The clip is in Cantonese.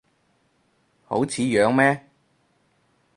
好似樣咩